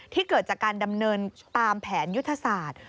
เกิดจากการดำเนินตามแผนยุทธศาสตร์